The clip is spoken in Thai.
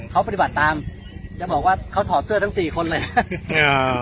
เขาปฏิบัติตามจะบอกว่าเขาถอดเสื้อทั้งสี่คนเลยอ่า